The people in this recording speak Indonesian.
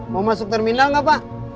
mau masuk terminal nggak pak